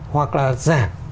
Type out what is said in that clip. hoặc là giảm